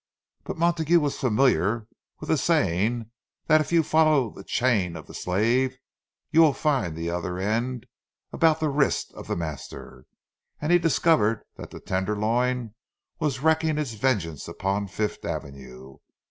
But Montague was familiar with the saying, that if you follow the chain of the slave, you will find the other end about the wrist of the master; and he discovered that the Tenderloin was wreaking its vengeance upon Fifth Avenue.